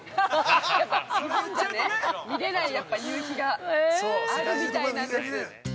◆やっぱ、日本じゃ見れない夕日があるみたいなんです。